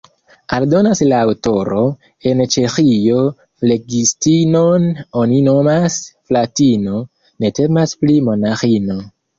Aldonas la aŭtoro: En Ĉeĥio flegistinon oni nomas fratino: ne temas pri monaĥino.